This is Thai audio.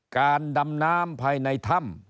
การดำน้ำภายในถ้ำ